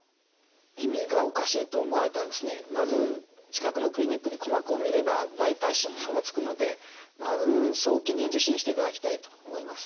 耳がおかしいと思われたらまず近くのクリニックで鼓膜を診れば大体診断はつくのでまず早期に受診していただきたいと思います。